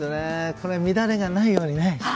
乱れがないようにね。